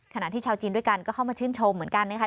ขณะที่ชาวจีนด้วยกันก็เข้ามาชื่นชมเหมือนกันนะคะ